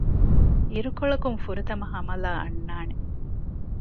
އިރުކޮޅަކުން ފުރަތަމަަ ހަމަލާ އަންނާނެ